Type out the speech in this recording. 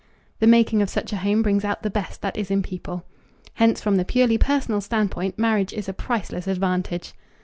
The making of such a home brings out the best that is in people. Hence from the purely personal standpoint marriage is a priceless advantage.